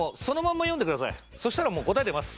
そしたらもう答え出ます。